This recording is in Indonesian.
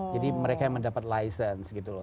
jadi mereka yang mendapat license gitu loh